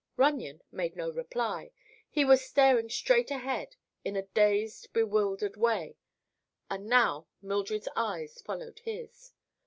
Runyon made no reply. He was staring straight ahead, in a dazed, bewildered way, and now Mildred's eyes followed his.